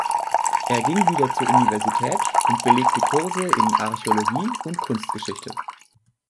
Er ging wieder zur Universität und belegte Kurse in Archäologie und Kunstgeschichte.